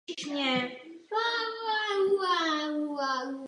Narodil se v Praze do vlivné šlechtické rodiny Lichtenštejnů.